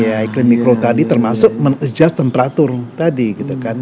ya iklim mikro tadi termasuk men adjust temperatur tadi gitu kan